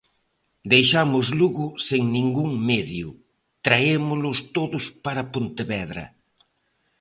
Deixamos Lugo sen ningún medio, traémolos todos para Pontevedra.